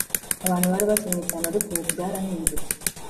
abantu bari bakennye cyane ariko ubu byarahindutse